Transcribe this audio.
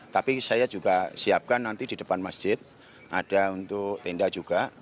tapi saya juga siapkan nanti di depan masjid ada untuk tenda juga